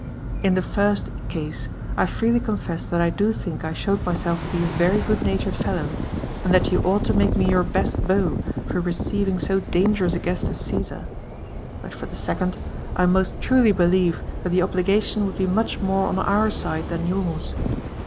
In the first case, I freely confess that I do think I showed myself to be a very good natured fellow, and that you ought to make me your best, bow for receiving so dangerous a guest as Cesar; but for the second, I most trdly believe that the obligation would be much more on our side than yours.